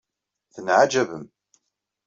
Tenɛaǧabem.